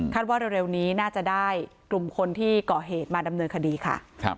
ว่าเร็วนี้น่าจะได้กลุ่มคนที่ก่อเหตุมาดำเนินคดีค่ะ